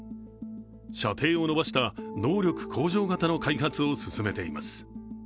射程を伸ばした能力向上型の開発を進めています。